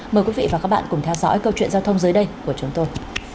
mời quý vị và các bạn cùng theo dõi câu chuyện giao thông dưới đây của chúng tôi